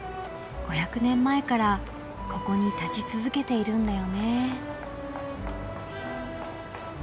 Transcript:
５００年前からここに建ち続けているんだよね。